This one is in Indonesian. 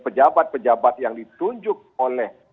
pejabat pejabat yang ditunjuk oleh